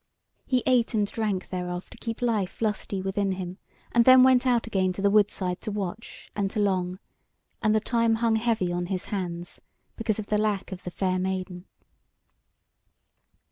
He ate and drank thereof to keep life lusty within him, and then went out again to the wood side to watch and to long; and the time hung heavy on his hands because of the lack of the fair Maiden.